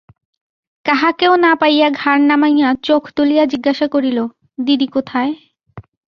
কাহাকেও না পাইয়া ঘাড় নামাইয়া চোখ তুলিয়া জিজ্ঞাসা করিল, দিদি কোথায়?